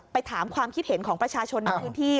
ถามความคิดเห็นของประชาชนในพื้นที่